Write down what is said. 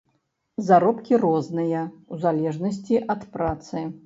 Заробкі розныя, у залежнасці ад працы.